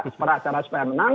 supaya acara menang